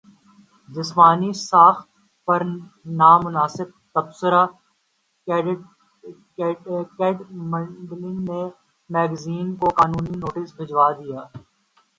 جسمانی ساخت پر نامناسب تبصرہ کیٹ مڈلٹن نے میگزین کو قانونی نوٹس بھجوادیا